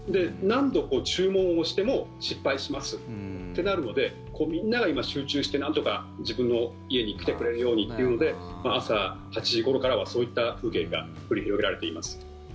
何度注文を押しても失敗しますってなるのでみんなが集中してなんとか自分の家に来てくれるようにというので朝８時ごろからはそういった風景が繰り広げられています。